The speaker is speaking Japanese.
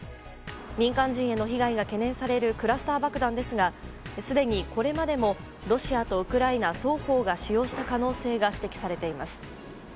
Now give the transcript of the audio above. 民間人への被害が懸念されるクラスター爆弾ですがすでに、これまでもロシアとウクライナ双方が使用した可能性が指摘されています。